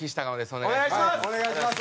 お願いします。